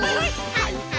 はいはい！